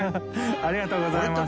ありがとうございます。